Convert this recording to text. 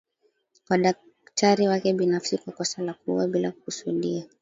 Kwa daktari wake binafsi kwa kosa la kuua bila kukusudia